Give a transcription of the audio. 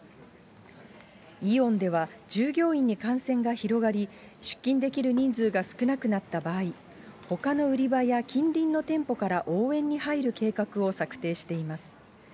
イオンでは、従業員に感染が広がり、出勤できる人数が少なくなった場合、ほかの売り場や近隣の店舗から応援に入る計画を策定しています。